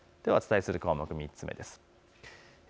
では、お伝えする項目３つ目です。